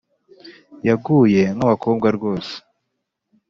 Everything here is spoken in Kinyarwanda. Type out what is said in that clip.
Yaguye nk’abakobwa rwose